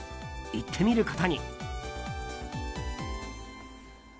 行ってみることに。